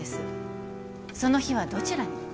その日はどちらに？